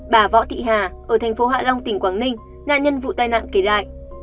bà võ thị hà ở thành phố hạ long tỉnh quảng ninh nạn nhân vụ tai nạn kể lại